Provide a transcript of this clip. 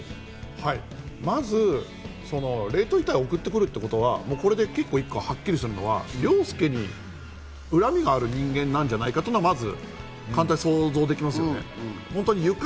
まず冷凍遺体を送ってくるってことは結構一個はっきりするのは凌介に恨みがある人間なんじゃないかっていうのがまず簡単に想像できますね。